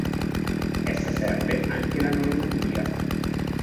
Essa serve anche la Normandia.